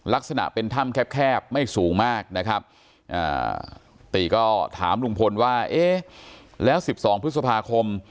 ลักษณะเป็นถ้ำแคบไม่สูงมากนะครับตีก็ถามลุงพลว่าเอ๊ะแล้ว๑๒พฤษภาคม